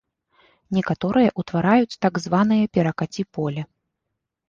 Некаторыя ўтвараюць так званае перакаці-поле.